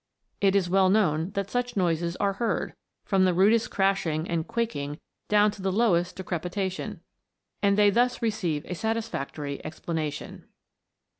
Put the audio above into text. It is well known that such noises are heard, from the rudest crashing and quaking down to the lowest decrepita tion, and they thus receive a satisfactory explana tion."